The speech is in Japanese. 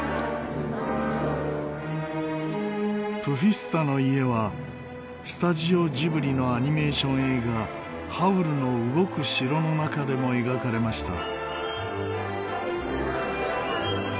プフィスタの家はスタジオジブリのアニメーション映画『ハウルの動く城』の中でも描かれました。